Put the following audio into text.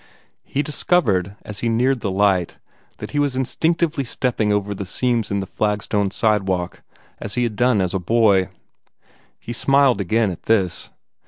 He discovered, as he neared the light, that he was instinctively stepping over the seams in the flagstone sidewalk as he had done as a boy. He smiled again at this.